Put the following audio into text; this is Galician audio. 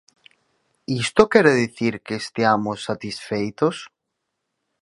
¿Isto quere dicir que esteamos satisfeitos?